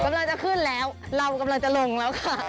กำลังจะขึ้นแล้วเรากำลังจะลงแล้วค่ะ